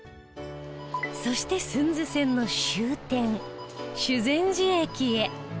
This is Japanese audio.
そして駿豆線の終点修善寺駅へ